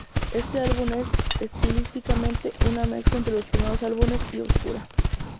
Este álbum es estilísticamente una mezcla entre los primeros álbumes y "Obscura".